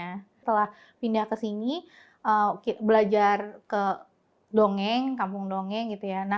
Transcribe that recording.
setelah pindah ke sini belajar di kampung dongeng